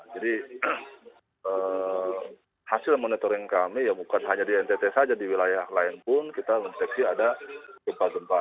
jadi hasil monitoring kami ya bukan hanya di ntt saja di wilayah lain pun kita mendeteksi ada gempa gempa